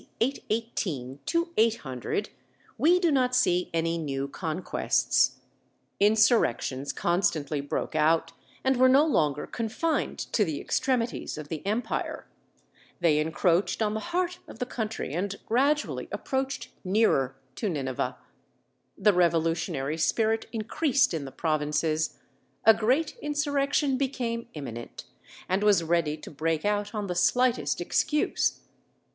818 to 800, we do not see any new conquests; insurrections constantly broke out, and were no longer confined to the extremities of the empire; they encroached on the heart of the country, and gradually approached nearer to Nineveh. The revolutionary spirit increased in the provinces, a great insurrection became imminent, and was ready to break out on the slightest excuse.